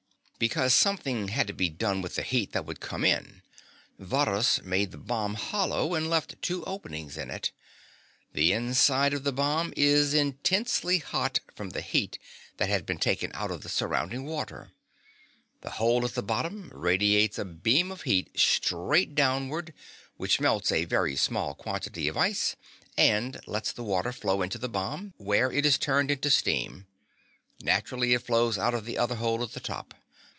Because something had to be done with the heat that would come in, Varrhus made the bomb hollow and left two openings in it. The inside of the bomb is intensely hot from the heat that has been taken out of the surrounding water. The hole at the bottom radiates a beam of heat straight downward which melts a very small quantity of ice and lets the water flow into the bomb, where it is turned into steam. Naturally, it flows out of the other hole at the top.